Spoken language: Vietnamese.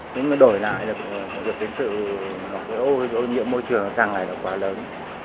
nhưng mà đổi lại được cái sự ô nhiễm môi trường càng này là quá lớn